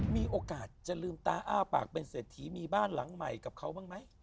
มีโอกาสจะลืมตาอ้าปากเป็นเศรษฐีมีบ้านหลังใหม่กับเขาบ้างไหม